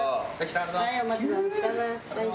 ありがとうございます。